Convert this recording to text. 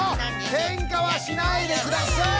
ケンカはしないでください！